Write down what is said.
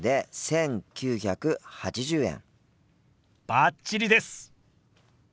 バッチリです！